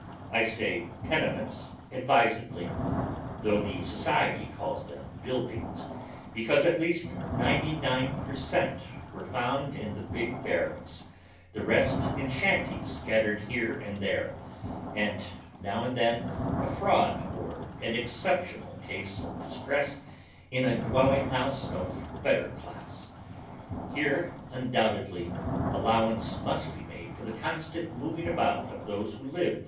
I say tenements advisedly, though the society calls them buildings, because at least ninety nine per cent, were found in the big barracks, the rest in shanties scattered here and there, and now and then a fraud or an exceptional ease of distress in a dwelling house of better class. Here, nndoubtedly, allowance must be made for the constant moving about of those who live oyGoogle 24f) HOW THE OTHER HALF LIVES.